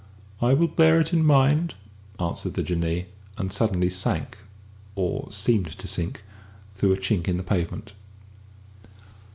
"I will bear it in mind," answered the Jinnee, and suddenly sank, or seemed to sink, through a chink in the pavement.